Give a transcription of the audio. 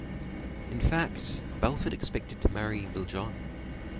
In fact Belfort expected to marry Viljoen.